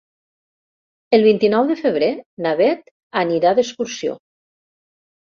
El vint-i-nou de febrer na Beth anirà d'excursió.